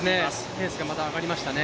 ペースがまた上がりましたね。